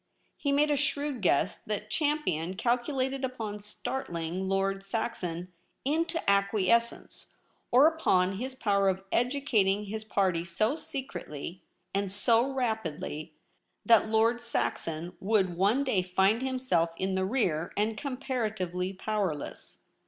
He made a shrewd guess that Champion calculated upon start ling Lord Saxon into acquiescence, or upon his power of educating his party so secretly and so rapidly, that Lord Saxon would one day find himself in the rear, and comparatively powerless.